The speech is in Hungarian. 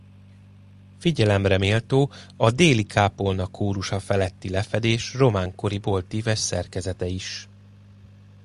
Figyelemre méltó a déli kápolna kórusa feletti lefedés román kori boltíves szerkezete is.